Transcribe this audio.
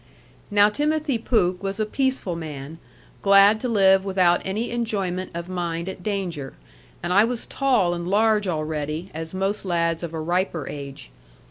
Now Timothy Pooke was a peaceful man, glad to live without any enjoyment of mind at danger, and I was tall and large already as most lads of a riper age.